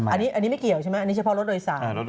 อันนี้ไม่เกี่ยวใช่ไหมอันนี้เฉพาะรถโดยสาร